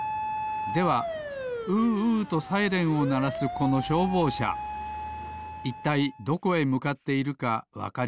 では「うーうー」とサイレンをならすこのしょうぼうしゃいったいどこへむかっているかわかりますか？